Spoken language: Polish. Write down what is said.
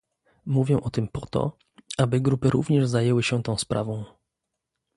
Mówię o tym po to, aby grupy również zajęły się tą sprawą